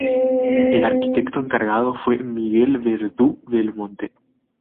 El arquitecto encargado fue Miguel Verdú Belmonte.